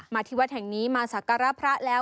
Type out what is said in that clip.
มาที่วัดแห่งนี้มาศักรพระแล้ว